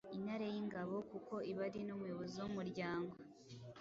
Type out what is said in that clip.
intare y’ingabo kuko iba ari n’umuyobozi w’umuryango,